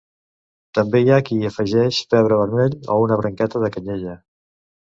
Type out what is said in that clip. També hi ha qui hi afegeix pebre vermell o una branqueta de canyella.